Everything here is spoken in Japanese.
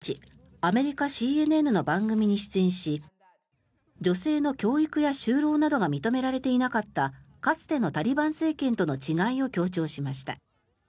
タリバンの広報官は１６日アメリカ、ＣＮＮの番組に出演し女性の教育や就労などが認められていなかったかつてのタリバン政権との違いを強調しました。